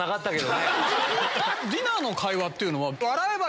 ディナーの会話っていうのは。